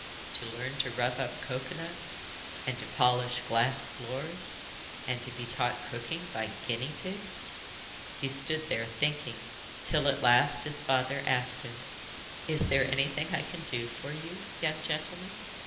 To learn to rub up cocoa nuts, and to polish glass floors, and to be taught cooking by guinea pigs! He stood there thinking, till at last his father asked him: 'Is there anything I can do for you, young gentleman?